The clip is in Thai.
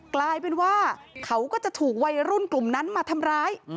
กลายเป็นว่าเขาก็จะถูกวัยรุ่นกลุ่มนั้นมาทำร้าย